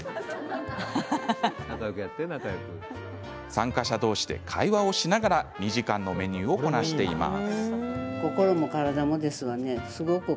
参加者同士で会話をしながら２時間のメニューをこなしていきます。